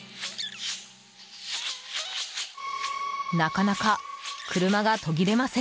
なかなか車が途切れません。